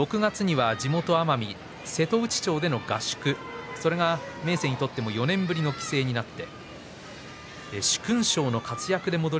６月には地元奄美瀬戸内町での合宿それが明生にとって４年ぶりの帰省でした。